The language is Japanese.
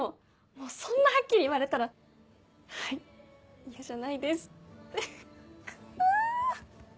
もうそんなはっきり言われたら「はい嫌じゃないです」ってくぅ！